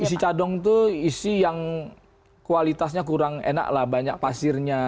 isi cadong itu isi yang kualitasnya kurang enak lah banyak pasirnya